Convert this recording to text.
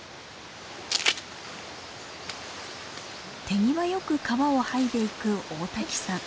手際よく皮を剥いでいく大滝さん。